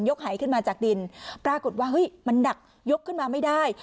หายขึ้นมาจากดินปรากฏว่าเฮ้ยมันหนักยกขึ้นมาไม่ได้